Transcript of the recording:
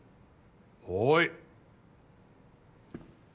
はい。